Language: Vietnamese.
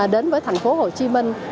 đến với thành phố hồ chí minh